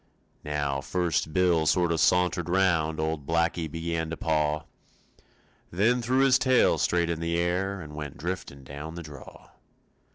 Now, first Bill sort of sauntered round Old Blackie began to paw, Then threw his tail straight in the air And went driftin' down the draw.